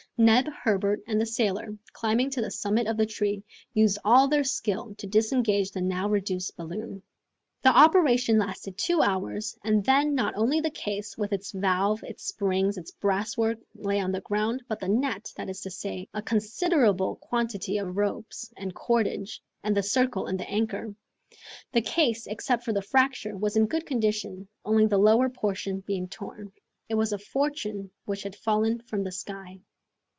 Neb, Herbert, and the sailor, climbing to the summit of the tree, used all their skill to disengage the now reduced balloon. The operation lasted two hours, and then not only the case, with its valve, its springs, its brasswork, lay on the ground, but the net, that is to say a considerable quantity of ropes and cordage, and the circle and the anchor. The case, except for the fracture, was in good condition, only the lower portion being torn. It was a fortune which had fallen from the sky.